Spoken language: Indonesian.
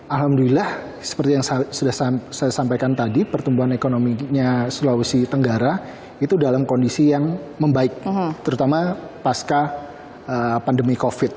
alhamdulillah seperti yang saya sampaikan tadi pertumbuhan ekonominya sulawesi tenggara itu dalam kondisi yang membaik